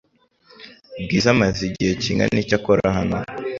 Bwiza amaze igihe kingana iki akora hano?